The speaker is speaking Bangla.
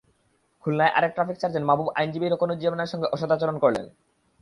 খুলনায় আরেক ট্রাফিক সার্জেন্ট মাহবুব হাসান আইনজীবী রোকনুজ্জামানের সঙ্গে অসদাচরণ করলেন।